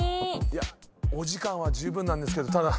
お時間は十分なんですけどただ。